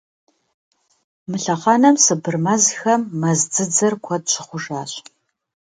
Мы лъэхъэнэм Сыбыр мэзхэм мэз дзыдзэр куэд щыхъужащ.